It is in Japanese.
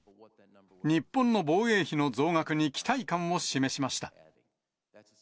日本の防衛費の増額に期待感を示しました。